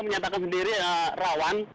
menyatakan sendiri rawan